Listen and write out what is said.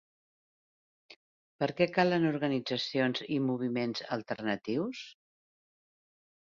Per què calen organitzacions i moviments alternatius?